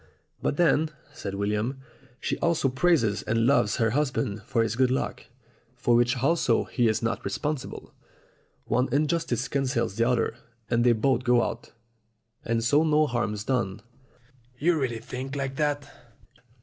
"But then," said William, "she also praises and loves her husband for his good luck, for which also he is not responsible. One injustice cancels the other, and they both go out, and so no harm's done." "You really think like that?"